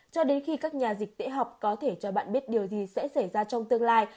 cho đến khi các nhà dịch tễ học có thể cho bạn biết điều gì sẽ xảy ra trong tương lai